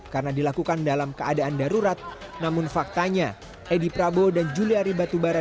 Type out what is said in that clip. karena dilakukan dalam keadaan darurat namun faktanya edi prabowo dan juliari batubara